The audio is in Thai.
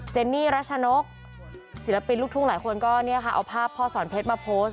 เนนี่รัชนกศิลปินลูกทุ่งหลายคนก็เนี่ยค่ะเอาภาพพ่อสอนเพชรมาโพสต์